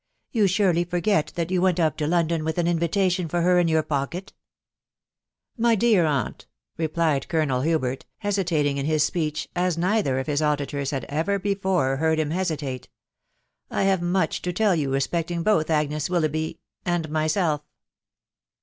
" You surely forget that you went up to London with an invitation for her in your pocket ?"," My dear aunt/' replied Colonel Hubert, hesitating in his speech, as neither of his auditors had ever before heard him hesitate, " I have much to tell you respecting both Agnes Wil loughby .... and myself